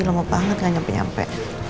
lama banget gak nyampe nyampe